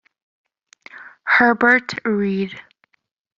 Herbert Read